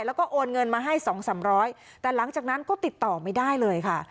แล้วก็โอนเงินมาให้สองสามร้อยแต่หลังจากนั้นก็ติดต่อไม่ได้เลยค่ะ